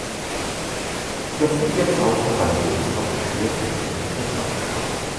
Über viele Jahrtausende war der Lebensraum durch schwere Zugänglichkeit abgeschottet.